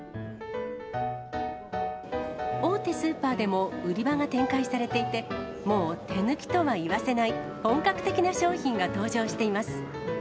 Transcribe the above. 大手スーパーでも売り場が展開されていて、もう手抜きとは言わせない本格的な商品が登場しています。